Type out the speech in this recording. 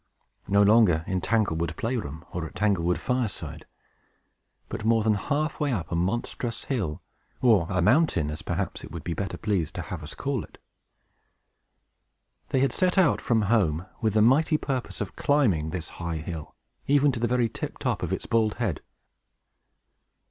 No longer in Tanglewood play room, or at Tanglewood fireside, but more than halfway up a monstrous hill, or a mountain, as perhaps it would be better pleased to have us call it. They had set out from home with the mighty purpose of climbing this high hill, even to the very tiptop of its bald head.